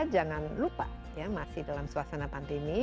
jangan lupa ya masih dalam suasana pandemi